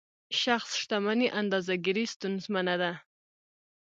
شخص شتمني اندازه ګیري ستونزمنه ده.